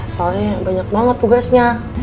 soalnya banyak banget tugasnya